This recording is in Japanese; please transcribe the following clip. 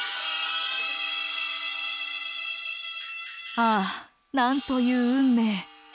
ああなんという運命。